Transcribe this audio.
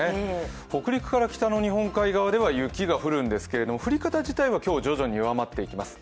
北陸から日本海側は雪が降りますけれども降り方自体は今日徐々に弱まっていきます。